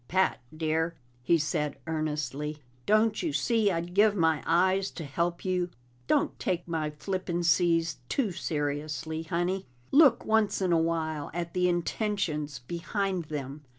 "Pat dear," he said earnestly, "don't you see I'd give my eyes to help you? Don't take my flippancies too seriously, Honey; look once in a while at the intentions behind them."